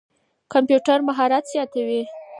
کمپيوټر مهارت زياتوي.